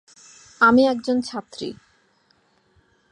আমি একজন ছাত্রী।